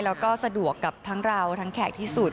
แล้วก็สะดวกกับทั้งเราทั้งแขกที่สุด